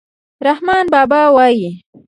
رحمان بابا وايي.